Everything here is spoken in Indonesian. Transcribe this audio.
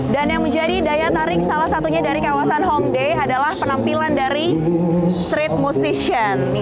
dan yang menjadi daya tarik salah satunya dari kawasan hongdae adalah penampilan dari street musician